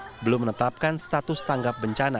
status siaga daruratnya banjir rongsor dan kebanyakan hal